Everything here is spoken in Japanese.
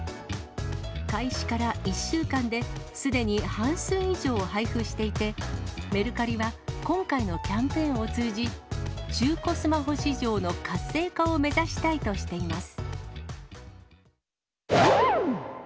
開始から１週間で、すでに半数以上配布していて、メルカリは、今回のキャンペーンを通じ、中古スマホ市場の活性化を目指したいとしています。